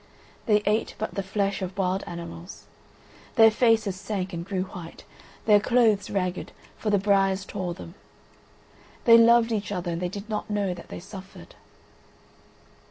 They ate but the flesh of wild animals. Their faces sank and grew white, their clothes ragged; for the briars tore them. They loved each other and they did not know that they suffered.